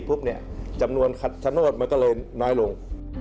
พรุ่งนี้จำนวนขัดชะโนธมันก็เลยน้อยลง